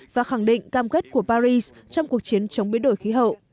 và khẳng định cam kết của paris trong cuộc chiến chống biến đổi khí hậu